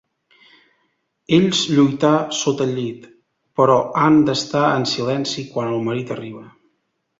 Ells lluitar sota el llit, però han d'estar en silenci quan el marit arriba.